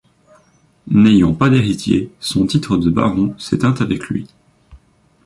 N'ayant pas d'héritier, son titre de baron s'éteint avec lui.